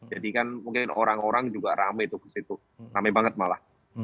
jadi kan mungkin orang orang juga ramai tuh ke situ ramai banget malah